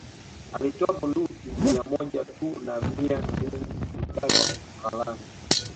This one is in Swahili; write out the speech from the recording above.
Alitoa bunduki mia moja tu na mia mbili zilibaki ghalani